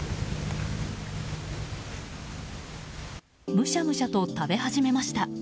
むしゃむしゃと食べ始めました。